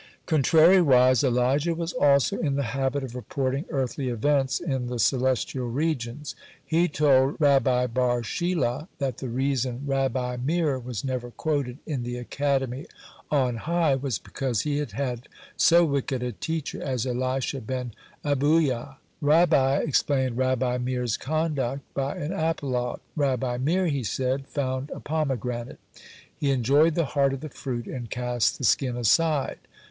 (84) Contrariwise, Elijah was also in the habit of reporting earthly events in the celestial regions. He told Rabba bar Shila that the reason Rabbi Meir was never quoted in the academy on high was because he had had so wicked a teacher as Elisha ben Abuyah. Rabba explained Rabbi Meir's conduct by an apologue. "Rabbi Meir," he said, "found a pomegranate; he enjoyed the heart of the fruit, and cast the skin aside."